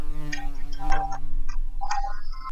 د هغې پلار د هغې نکاح له خپل وراره سره تړلې وه.